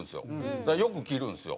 だからよく着るんですよ。